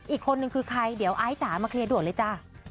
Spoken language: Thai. อีกคนนึงคือใครเดี๋ยวไอซ์จ๋ามาเคลียร์ด่วนเลยจ้ะ